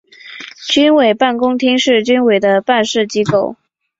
军委办公厅是军委的办事机构。